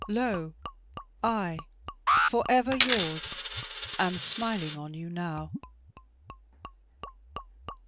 Lo I, for ever yours, am smiling on you now."